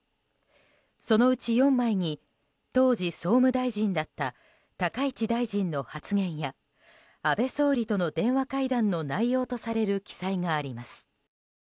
そのうち４枚に当時、総務大臣だった高市大臣の発言や安倍総理との電話会談の内容とされる記載があります。